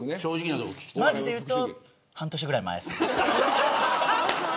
まじでいうと半年ぐらい前です。